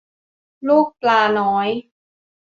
ลูกปลาน้อย